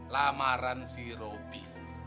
lamaran si robi